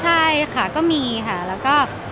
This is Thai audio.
ใช่ค่ะก็มีค่ะเราก็